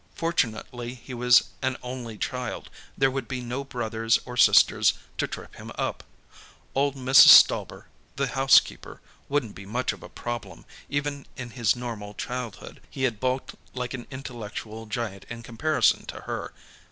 Fortunately, he was an only child; there would be no brothers or sisters to trip him up. Old Mrs. Stauber, the housekeeper, wouldn't be much of a problem; even in his normal childhood, he had bulked like an intellectual giant in comparison to her.